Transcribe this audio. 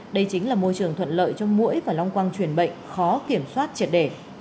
đây chính là môi trường thuận lợi cho mũi và long quang chuyển bệnh khó kiểm soát triệt đề